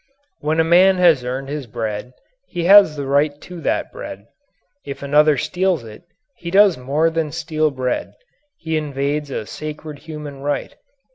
When a man has earned his bread, he has a right to that bread. If another steals it, he does more than steal bread; he invades a sacred human right.